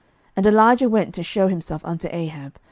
11:018:002 And Elijah went to shew himself unto Ahab.